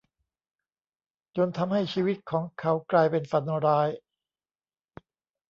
จนทำให้ชีวิตของเขากลายเป็นฝันร้าย